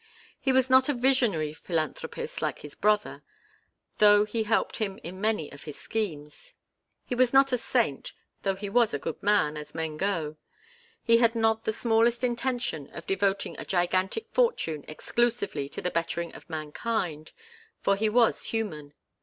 He was not a visionary philanthropist like his brother, though he helped him in many of his schemes. He was not a saint, though he was a good man, as men go. He had not the smallest intention of devoting a gigantic fortune exclusively to the bettering of mankind, for he was human.